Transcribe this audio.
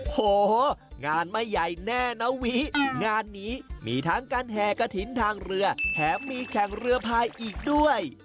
โหงานไม่ใหญ่แน่นะวิ